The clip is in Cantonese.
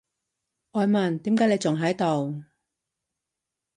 我問，點解你仲喺度？